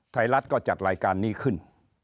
ไทยรัฐก็จัดรายการนี้ขึ้น